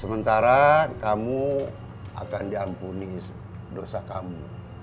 sementara kamu akan diampuni dosa kamu